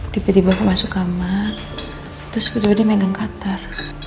tiba tiba masuk kamar terus kejadian dia megang katar